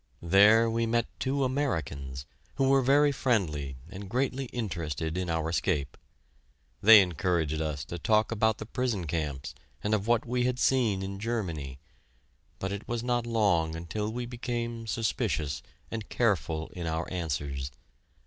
There we met two Americans, who were very friendly and greatly interested in our escape. They encouraged us to talk about the prison camps, and of what we had seen in Germany, but it was not long until we became suspicious and careful in our answers.